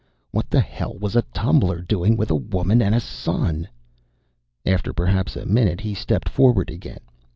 What the hell was a tumbler doing with a woman and a son? After perhaps a minute, he stepped forward again.